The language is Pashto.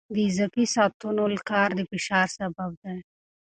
د اضافي ساعتونو کار د فشار سبب دی.